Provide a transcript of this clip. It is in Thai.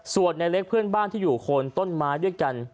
ส่วนในเล็กเพื่อนบ้านที่อยู่โคนต้นไม้ด้วยกัน